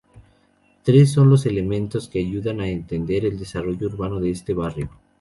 Tres son los elementos que ayudan a entender el desarrollo urbano de este barrio.